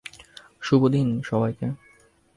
শুভ দিন, সবাইকে।